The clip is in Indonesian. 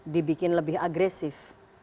dibikin lebih agresif